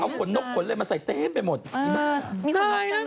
หมายถึงควรอึกขนมาใส่เต็มขนเลย